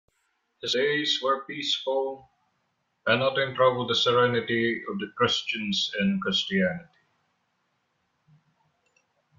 His days were peaceful, and nothing troubled the serenity of the Christians and Christianity.